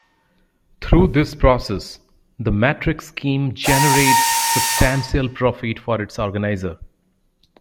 Through this process, the matrix scheme generates substantial profit for its organiser.